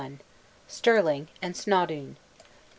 Stirling and Snawdoun.